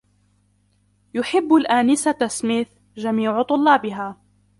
يحب الآنسةَ سميث جميعُ طلابها.